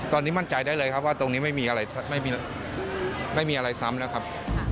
ตอนนี้มั่นใจได้เลยครับว่าตรงนี้ไม่มีอะไรซ้ำแล้วครับ